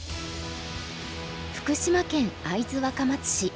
福島県会津若松市。